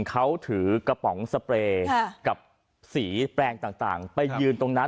เขาถือกระป๋องสเปรย์กับสีแปลงต่างไปยืนตรงนั้น